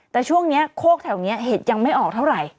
แต่ช่วงนี้โคกแถวนี้เห็ดยังไม่ออกเท่าไหร่